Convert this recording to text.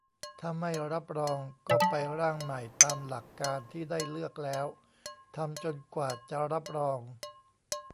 ถ้าไม่รับรอง ก็ไปร่างใหม่ ตามหลักการที่ได้เลือกแล้ว ทำจนกว่าจะรับรอง